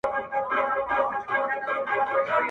هر ځای شړکنده باران راپسي ګرځي -